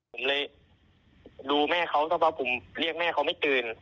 ผมเลยดูแม่เขาสักพักผมเรียกแม่เขาไม่ตื่น